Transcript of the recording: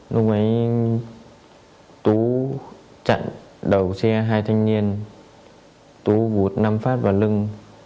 lúc ấy tú chặn đầu xe hai thanh niên tú vụt năm phát vào lưng